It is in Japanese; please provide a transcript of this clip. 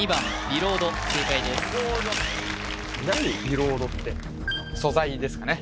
ビロードって素材ですかね